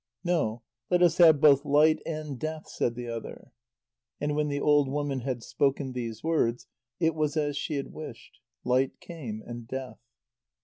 "No; let us have both light and death," said the other. And when the old woman had spoken these words, it was as she had wished. Light came, and death.